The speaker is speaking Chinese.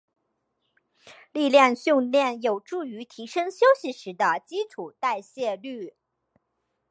力量训练有助于提升休息时的基础代谢率。